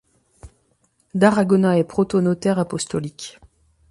D'Aragona est protonotaire apostolique.